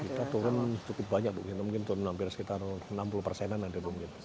kita turun cukup banyak mungkin turun hampir sekitar enam puluh persenan ada mungkin